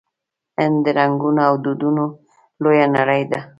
هند د رنګونو او دودونو لویه نړۍ ده.